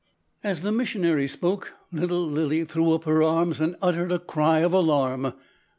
As the missionary spoke little Lilly threw up her arms and uttered a cry of alarm.